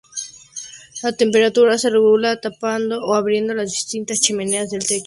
La temperatura se regula tapando o abriendo las distintas "chimeneas" del techo.